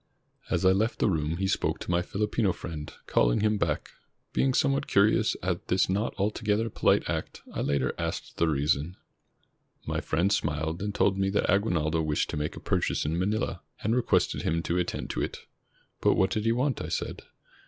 As I left the room he spoke to my Fihpino friend, calling him back. Being somewhat curious at this not alto gether polite act, I later asked the reason. My friend smiled, and told me that Aguinaldo wished to make a purchase in Manila, and requested him to attend to it. "But what did he want?" I said.